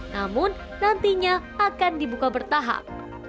namun nantinya akan dibuka bertahap